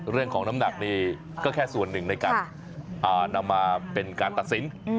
เรื่องของน้ำหนักนี่ก็แค่ส่วนหนึ่งในการนำมาเป็นการตัดสิน